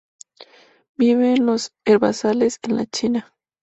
Vive en los herbazales, en la China.